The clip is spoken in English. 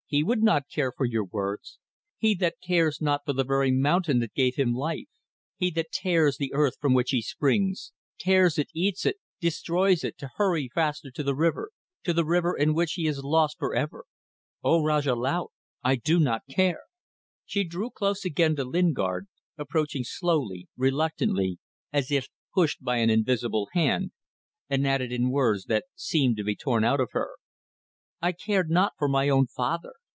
He would not care for your words: he that cares not for the very mountain that gave him life; he that tears the earth from which he springs. Tears it, eats it, destroys it to hurry faster to the river to the river in which he is lost for ever. ... O Rajah Laut! I do not care." She drew close again to Lingard, approaching slowly, reluctantly, as if pushed by an invisible hand, and added in words that seemed to be torn out of her "I cared not for my own father.